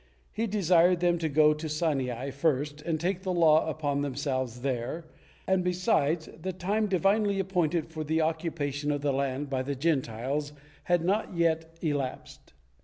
He desired them to go to Sinai first and take the law upon themselves there, and, besides, the time divinely appointed for the occupation of the land by the Gentiles had not yet elapsed.